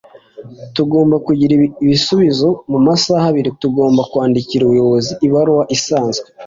Tugomba kugira ibisubizo mumasaha abiri. Tugomba kwandikira umuyobozi ibaruwa isanzwe.